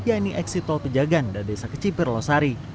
yaitu eksitol pejagan dan desa kecipir losari